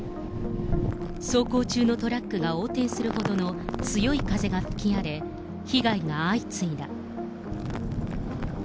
走行中のトラックが横転するほどの強い風が吹き荒れ、被害が相次いだ。